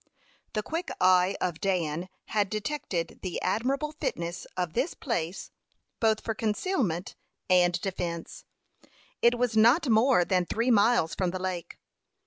The quick eye of Dan had detected the admirable fitness of this place both for concealment and defence. It was not more than three miles from the lake.